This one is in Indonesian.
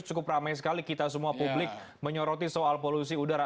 cukup ramai sekali kita semua publik menyoroti soal polusi udara